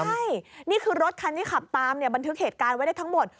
ใช่นี่คือรถคันที่ขับตามเนี่ยบันทึกเหตุการณ์ไว้ได้ทั้งหมด